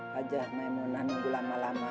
pajah nemo enam minggu lama lama